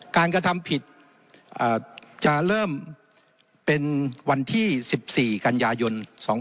กระทำผิดจะเริ่มเป็นวันที่๑๔กันยายน๒๕๖๒